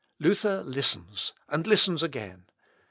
Luther listens and listens again.